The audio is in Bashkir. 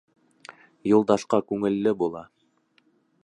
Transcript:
Юлдашҡа күңелле була.